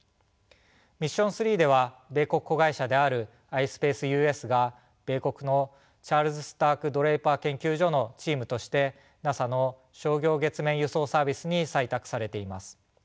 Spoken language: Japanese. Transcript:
ミッション３では米国子会社であるｉｓｐａｃｅＵ．Ｓ．が米国のチャールズ・スターク・ドレイパー研究所のチームとしてＮＡＳＡの商業月面輸送サービスに採択されています。